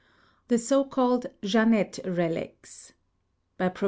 3 THE SO CALLED "JEANNETTE RELICS" By Profe.